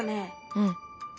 うん。